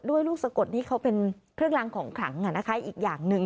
ลูกสะกดที่เขาเป็นเครื่องรางของขลังอีกอย่างหนึ่ง